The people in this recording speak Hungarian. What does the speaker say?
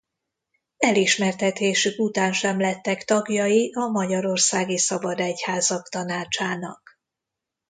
Elismertetésük után sem lettek tagjai a Magyarországi Szabadegyházak Tanácsának.